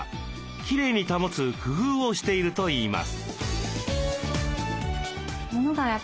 きれいに保つ工夫をしているといいます。